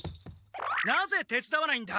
なぜてつだわないんだ？